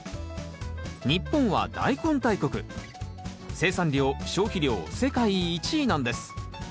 生産量消費量世界１位なんです。